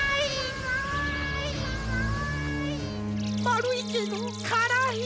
まるいけどからい。